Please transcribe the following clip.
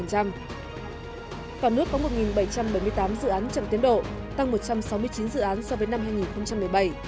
cả nước có một bảy trăm bảy mươi tám dự án chậm tiến độ tăng một trăm sáu mươi chín dự án so với năm hai nghìn một mươi bảy